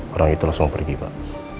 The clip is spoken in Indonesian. orang itu langsung pergi pak